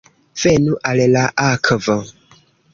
Venu al la akvo!